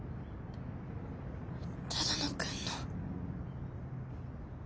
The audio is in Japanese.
只野くんの。